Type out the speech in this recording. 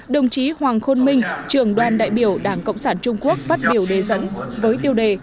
đồng chí hoàng khôn minh trường đoàn đại biểu đảng cộng sản trung quốc phát biểu đề dẫn với tiêu đề